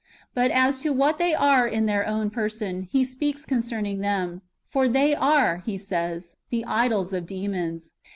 But as to what they are in their own person, he speaks concerning them ;" for they are," he says, " the idols of demons."